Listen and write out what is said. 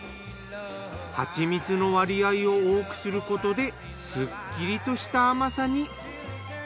はちみつの割合を多くすることですっきりとした甘さに。